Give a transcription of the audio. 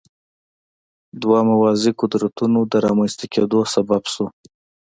دوه موازي قدرتونو د رامنځته کېدو سبب شو.